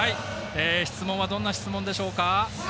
質問はどんな質問でしょうか？